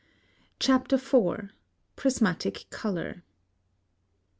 CHAPTER IV. PRISMATIC COLOR.